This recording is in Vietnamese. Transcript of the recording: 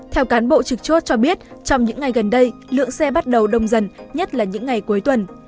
theo cán bộ trực chốt cho biết trong những ngày gần đây lượng xe bắt đầu đông dần nhất là những ngày cuối tuần